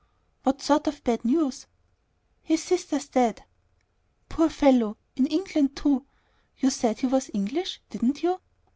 "What sort of bad news?" "His sister's dead." "Poor fellow! In England too! You said he was English, didn't you?"